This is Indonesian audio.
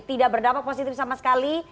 tidak berdampak positif sama sekali